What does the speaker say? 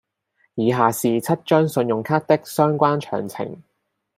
以下是七張信用卡的相關詳情